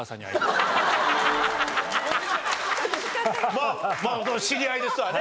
まあ知り合いですわね。